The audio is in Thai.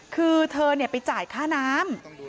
คือเธอไปจ่ายค่าน้ำ